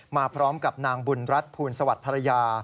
มาพร้อมกับนางบุญรัฐภูลสวัสดิ์ภรรยา